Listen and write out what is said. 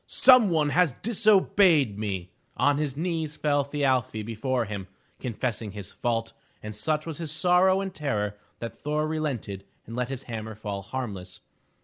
"Some one has disobeyed me!'' On his knees fell Thi arfi before him confessing his fault, and such was his sorrow and terror that Thor relented and let his hammer fall harmless.